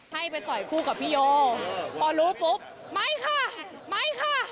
ให้ไปต่อยคู่กับพี่โยพอรู้ปุ๊บไม่ค่ะไม่ค่ะ